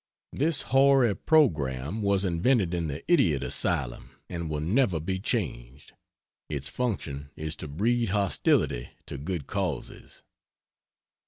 This hoary program was invented in the idiot asylum, and will never be changed. Its function is to breed hostility to good causes.